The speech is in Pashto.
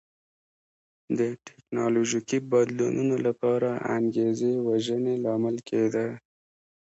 د ټکنالوژیکي بدلونونو لپاره انګېزې وژنې لامل کېده.